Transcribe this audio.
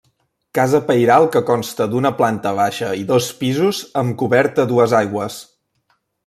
Casa pairal que consta d'una planta baixa i dos pisos amb coberta a dues aigües.